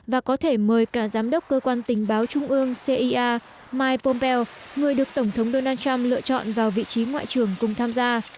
và có thể mời cả giám đốc cơ quan tình báo trung ương cia mike pompeo người được tổng thống donald trump lựa chọn vào vị trí ngoại trưởng cùng tham gia